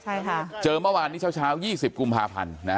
ใช่ค่ะเจอเมื่อวานนี้เช้าเช้ายี่สิบกุมภาพันธุ์นะฮะ